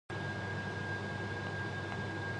Schrader's script was rewritten by Heywood Gould.